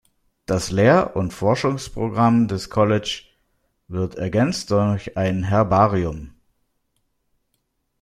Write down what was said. Das Lehr- und Forschungsprogramm des College wird ergänzt durch ein Herbarium.